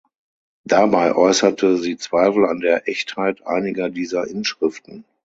Dabei äußerte sie Zweifel an der Echtheit einiger dieser Inschriften.